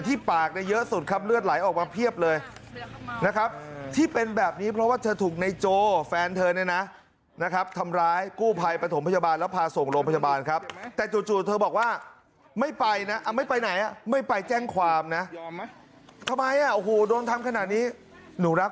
แต่ที่ปากยังเยอะซุดครับ